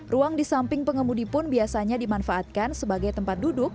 ruang di samping pengemudi pun biasanya dimanfaatkan sebagai tempat duduk